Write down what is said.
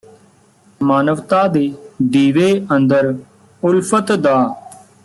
ਮਾਨਵਤਾ ਦੇ ਦੀਵੇ ਅੰਦਰ ਉਲਫ਼ਤ ਦਾ